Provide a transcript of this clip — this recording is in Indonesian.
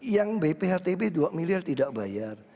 yang bphtb dua miliar tidak bayar